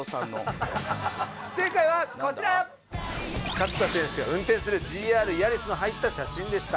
勝田選手が運転するＧＲヤリスの入った写真でした。